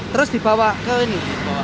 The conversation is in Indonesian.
terus dibawa ke ini